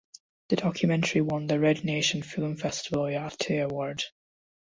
The documentary won the Red Nation Film Festival Oyate award.